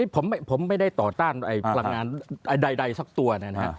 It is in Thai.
ผมไม่ได้ต่อต้านพลังงานใดสักตัวนะครับ